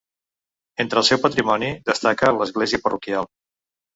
Entre el seu patrimoni destaca l'església parroquial.